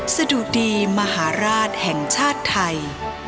สะดุดีมหาราชแห่งชาติไทย